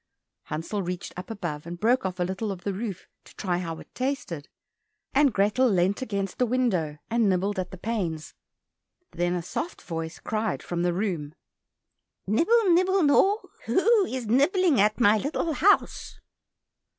Hansel reached up above, and broke off a little of the roof to try how it tasted, and Grethel leant against the window and nibbled at the panes. Then a soft voice cried from the room, "Nibble, nibble, gnaw, Who is nibbling at my little house?"